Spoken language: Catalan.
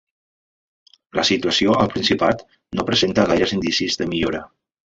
La situació al Principat no presenta gaires indicis de millora.